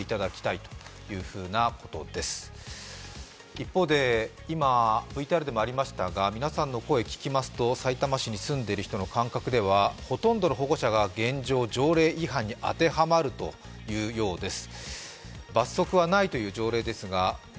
一方で、今、ＶＴＲでもありましたが、皆さんの声を聞きますと、さいたま市に住んでいる人の感覚ではほとんどの保護者が現状、条例違反に当てはまるというようです。